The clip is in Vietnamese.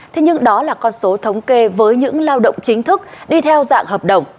thế nhưng đó là con số thống kê với những lao động chính thức đi theo dạng hợp đồng